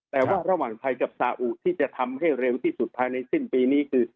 แต่ว่าระหว่างไทยกับซาอุที่จะทำให้เร็วที่สุดภายในสิ้นปีนี้คือ